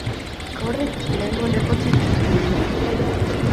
Horrek lehengo lepotik dik burua.